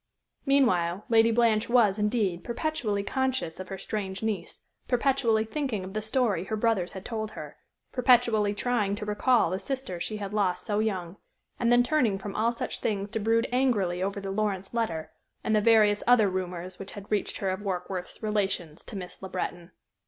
Meanwhile, Lady Blanche was, indeed, perpetually conscious of her strange niece, perpetually thinking of the story her brothers had told her, perpetually trying to recall the sister she had lost so young, and then turning from all such things to brood angrily over the Lawrence letter, and the various other rumors which had reached her of Warkworth's relations to Miss Le Breton.